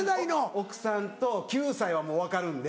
奥さんと９歳はもう分かるんで。